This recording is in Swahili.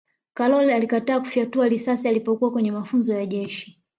karol alikataa kufyatua risasi alipokuwa kwenye mafunzo ya jeshi